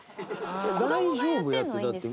大丈夫やって！